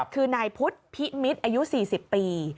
คือนายพุทธพิมิตรอายุ๔๐ปี